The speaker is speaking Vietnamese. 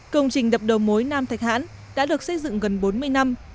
công trình đập đầu mối nam thạch hãn đã được xây dựng gần bốn mươi năm